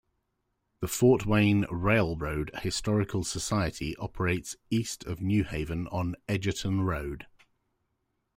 The Fort Wayne Railroad Historical Society operates east of New Haven on Edgerton Road.